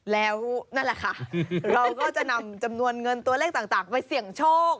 แล้วนั่นแหละค่ะเราก็จะนำจำนวนเงินตัวเลขต่างไปเสี่ยงโชค